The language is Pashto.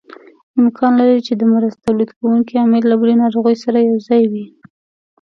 امکان لري چې د مرض تولید کوونکی عامل له بلې ناروغۍ سره یوځای وي.